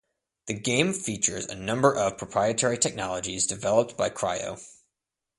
The game features a number of proprietary technologies developed by Cryo.